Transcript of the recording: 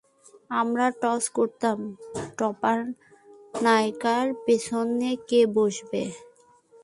আমরা টস করতাম টপার নায়নার পিছনে কে বসবে।